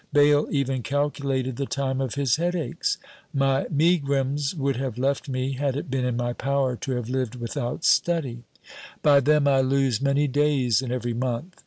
Bayle even calculated the time of his headaches: "My megrims would have left me had it been in my power to have lived without study; by them I lose many days in every month."